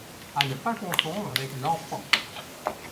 À ne pas confondre avec l'empan.